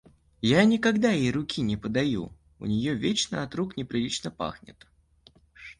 Я никогда ей руки не подаю, у нее вечно от рук неприлично пахнет.